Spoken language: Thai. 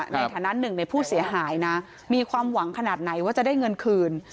ในฐานะหนึ่งในผู้เสียหายนะมีความหวังขนาดไหนว่าจะได้เงินคืน